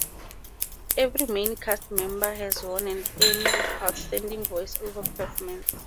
Every main cast member has won an Emmy for Outstanding Voice-Over Performance.